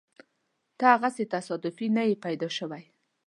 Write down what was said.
ته هسې تصادفي نه يې پیدا شوی.